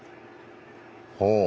ほう。